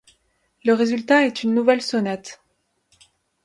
Le résultat est une nouvelle sonate...